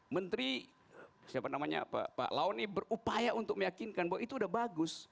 menteri siapa namanya pak laoni berupaya untuk meyakinkan bahwa itu sudah bagus